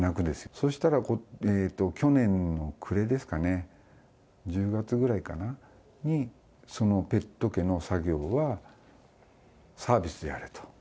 そうしたら、去年の暮れですかね、１０月ぐらいかな、に、そのペット毛の作業は、サービスでやれと。